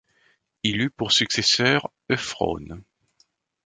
Il eut pour successeur Euphrône.